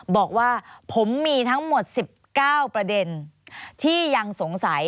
บอกว่าผมมีทั้งหมด๑๙ประเด็นที่ยังสงสัย